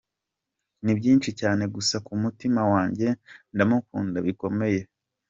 Ni byinshi cyane, gusa ku mutima wanjye ndamukunda bikomeye, bikomeye.